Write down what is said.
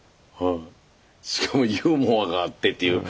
しかもユーモアがあってっていう。